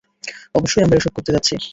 অবশ্যই, আমরা এসব করতে যাচ্ছি।